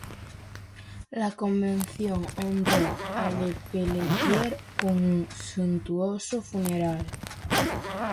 La Convención honró a Le Peletier con un suntuoso funeral.